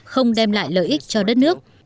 không đem lại lợi ích cho đất nước